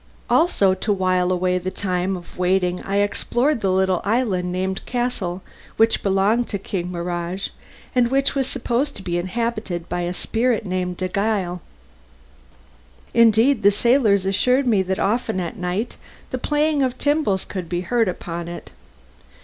Also to while away the time of waiting I explored a little island named Cassel, which belonged to King Mihrage, and which was supposed to be inhabited by a spirit named Deggial. Indeed, the sailors assured me that often at night the playing of timbals could be heard upon it.